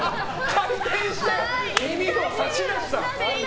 回転して耳を差し出した。